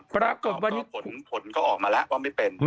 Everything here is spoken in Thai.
โผล่ของผลก็ออกมาแหละว่าไม่เป็น